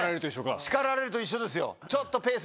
叱られると一緒ですよ。